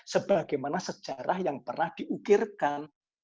sebagaimana sejarah yang pernah diukirkan